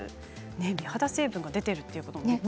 美肌成分が出ているということなんですね。